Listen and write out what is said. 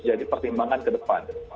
jadi pertimbangan ke depan